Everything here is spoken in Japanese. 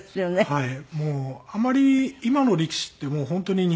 はい。